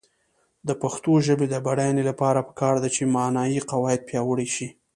د پښتو ژبې د بډاینې لپاره پکار ده چې معنايي قواعد پیاوړې شي.